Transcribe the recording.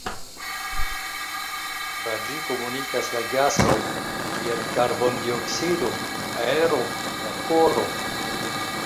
Tra ĝi komunikas la gasoj kiel karbon-dioksido, aero, vaporo.